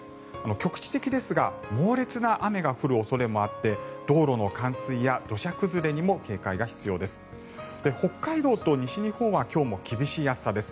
局地的ですが猛烈な雨が降る恐れもあって道路の冠水や土砂崩れにも警戒が必要です。